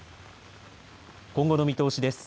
今後の見通しです。